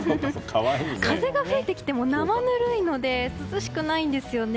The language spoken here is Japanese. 風が吹いてきても生ぬるいので涼しくないんですよね。